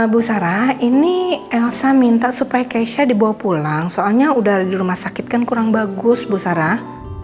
bu sarah ini elsa minta supaya keisha dibawa pulang soalnya udah di rumah sakit kan kurang bagus bu sarah